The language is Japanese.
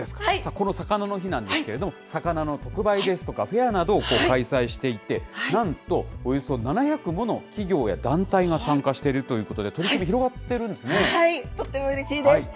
このさかなの日なんですけれども、魚の特売ですとか、フェアなどを開催していて、なんとおよそ７００もの企業や団体が参加しているということで、とってもうれしいです。